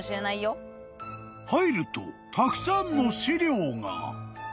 ［入るとたくさんの資料が］